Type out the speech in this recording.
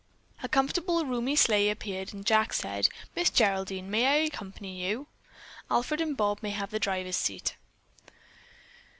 A comfortable, roomy sleigh appeared and Jack said: "Miss Geraldine, may I accompany you? Alfred and Bob may have the driver's seat?"